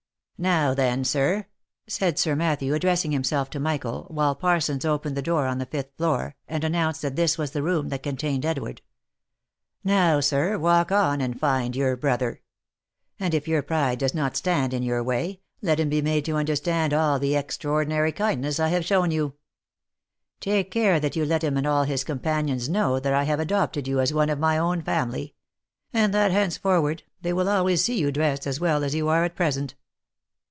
" Now then, sir," said Sir Matthew, addressing himself to Michael, while Parsons opened the door on the fifth floor, and an nounced that this was the room that contained Edward. " Now, sir, walk on, and find your brother ; and, if your pride does not stand in your way, let him be made to understand all the extraor dinary kindness I have shown you. Take care that you let him and all his companions know that I have adopted you as one of my own family ; and that henceforward, they will always see you dressed as well as you are at present."